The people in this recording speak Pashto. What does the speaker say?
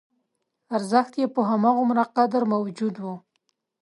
ارزښت یې په همغومره قدر موجود و.